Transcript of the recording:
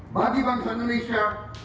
bagi bangsa indonesia